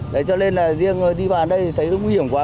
đấy cho nên là riêng đi bàn đây thì thấy nó nguy hiểm quá